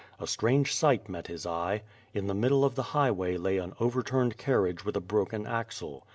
A strange sight met his eye. In the middle of the highway lay an overturned carriage with a broken axle.